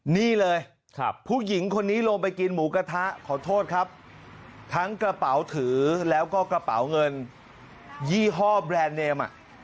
นี่เลยผู้หญิงคนนี้ลงไปกินหมูกระทะขอโทษครับทั้งกระเป๋าถือแล้วก็กระเป๋าเงินยี่ห้อแบรนด์เนม